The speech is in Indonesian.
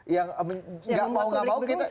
yang mau gak mau kita